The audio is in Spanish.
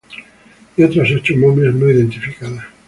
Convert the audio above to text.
Y otras ocho momias no identificadas.